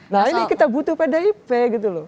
nah ini kita butuh pdip gitu loh